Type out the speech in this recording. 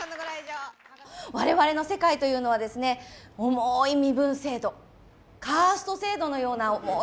我々の世界というのは、重い身分制度、カースト制度のような思い